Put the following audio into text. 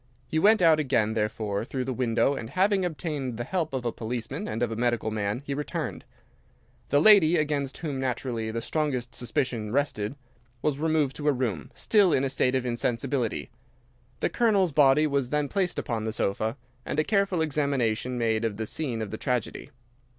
He went out again, therefore, through the window, and having obtained the help of a policeman and of a medical man, he returned. The lady, against whom naturally the strongest suspicion rested, was removed to her room, still in a state of insensibility. The Colonel's body was then placed upon the sofa, and a careful examination made of the scene of the tragedy.